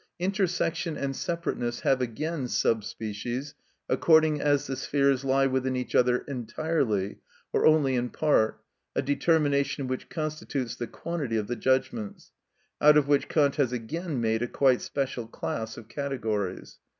Intersection and separateness have again sub species, according as the spheres lie within each other entirely, or only in part, a determination which constitutes the quantity of the judgments; out of which Kant has again made a quite special class of categories.